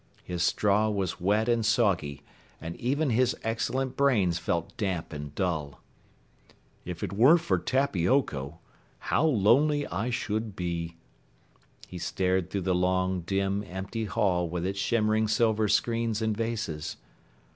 His straw was wet and soggy, and even his excellent brains felt damp and dull. "If it weren't for Tappy Oko, how lonely I should be." He stared through the long, dim, empty hall with its shimmering silver screens and vases.